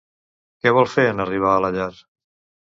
Què vol fer en arribar a la llar?